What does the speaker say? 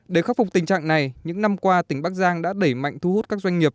để khắc phục tình trạng này những năm qua tỉnh bắc giang đã đẩy mạnh thu hút các doanh nghiệp